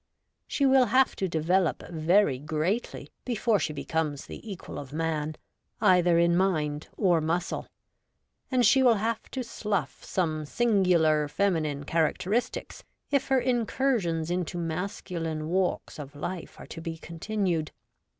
She will have to develop very greatly before she becomes the equal of man, either in mind or muscle ; and she will have to slough some singular feminine characteristics if her incursions into masculine walks of life are to be continued.